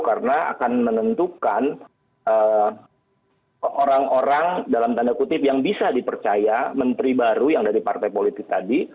karena akan menentukan orang orang dalam tanda kutip yang bisa dipercaya menteri baru yang dari partai politik tadi